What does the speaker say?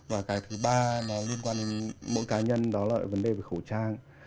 và cái thứ ba nó liên quan đến mỗi cá nhân đó là vấn đề về khẩu trang